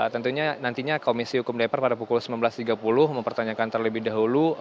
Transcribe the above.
tentunya nantinya komisi hukum dpr pada pukul sembilan belas tiga puluh mempertanyakan terlebih dahulu